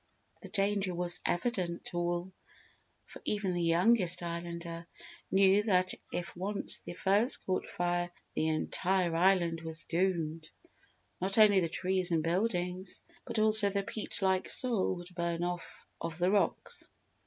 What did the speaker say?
The danger was evident to all for even the youngest Islander knew that if once the firs caught fire, the entire island was doomed; not only the trees and buildings but also the peat like soil would burn off of the rocks.